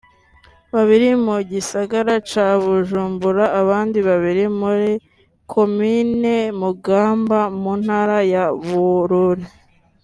babiri mu gisagara ca Bujumbura abandi babiri muri komine Mugamba mu ntara ya Bururi